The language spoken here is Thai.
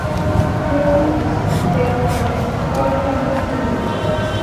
เรื่องเซ็กส์ไลฟ์ก็ยอดเยี่ยมดี